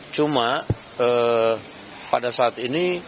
cuma pada saat ini